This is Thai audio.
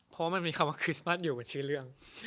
เพราะมันมีคำว่าคริสต์มัสอยู่กับชื่อเรื่อง